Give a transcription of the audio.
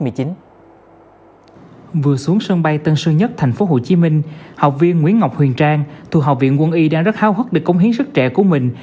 vừa xuống sân bay tân sơn nhất thành phố hồ chí minh học viên nguyễn ngọc huyền trang thu học viện quân y đang rất hào hức được cống hiến sức trẻ của mình